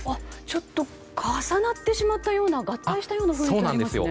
ちょっと重なってしまったような合体したような雰囲気がありますよ。